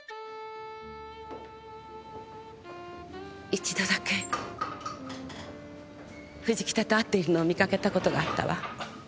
一度だけ藤北と会っているのを見かけた事があったわ。